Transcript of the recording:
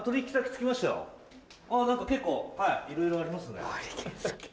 何か結構いろいろありますね。